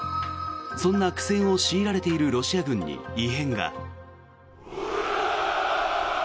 そんな苦戦を強いられているロシア軍に異変が。